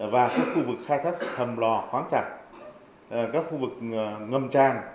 và các khu vực khai thác thầm lò khoáng sạc các khu vực ngầm tràn